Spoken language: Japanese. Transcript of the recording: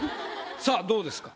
さあどうですか？